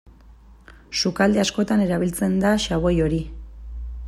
Sukalde askotan erabiltzen da xaboi hori.